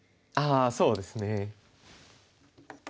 ああそうですね。